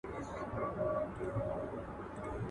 سياست مشخص ځای او ساحه نه لري.